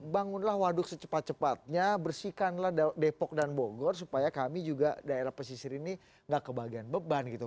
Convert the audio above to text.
bangunlah waduk secepat cepatnya bersihkanlah depok dan bogor supaya kami juga daerah pesisir ini gak kebagian beban gitu